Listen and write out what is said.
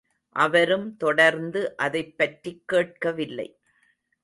அவரும் தொடர்ந்து அதைப் பற்றிக் கேட்கவில்லை.